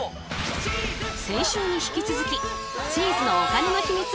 先週に引き続きチーズのお金のヒミツ